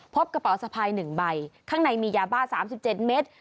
พบกระเป๋าสะพาย๑ใบข้างในมียาบ้า๓๗เมตร